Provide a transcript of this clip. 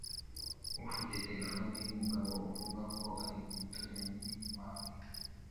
Ufite terefone y'umugabo uvuga ko ari umuturai wawe.